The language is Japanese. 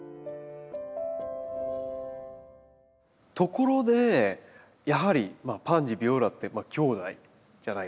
ところでやはりパンジービオラってきょうだいじゃないですか。